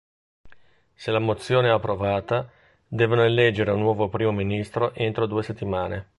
Se la mozione è approvata, devono eleggere un nuovo primo ministro entro due settimane.